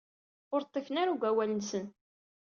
Ur ḍḍifen ara deg wawal-nsen.